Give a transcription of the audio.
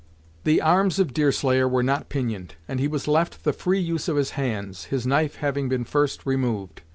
The arms of Deerslayer were not pinioned, and he was left the free use of his hands, his knife having been first removed.